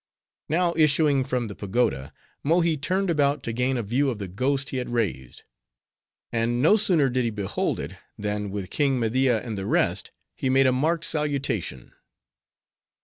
Now, issuing from the pagoda, Mohi turned about to gain a view of the ghost he had raised; and no sooner did he behold it, than with King Media and the rest, he made a marked salutation.